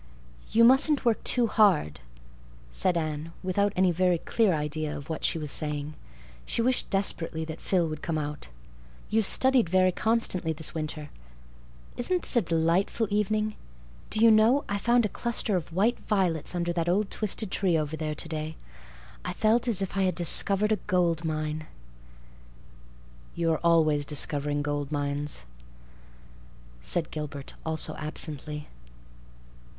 "You mustn't work too hard," said Anne, without any very clear idea of what she was saying. She wished desperately that Phil would come out. "You've studied very constantly this winter. Isn't this a delightful evening? Do you know, I found a cluster of white violets under that old twisted tree over there today? I felt as if I had discovered a gold mine." "You are always discovering gold mines," said Gilbert—also absently.